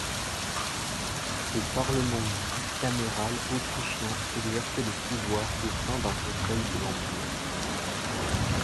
Ce parlement bicaméral autrichien exerçait le pouvoir au sein d'un Conseil de l'Empire.